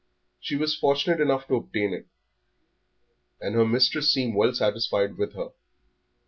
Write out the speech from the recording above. She was fortunate enough to obtain it, and her mistress seemed well satisfied with her.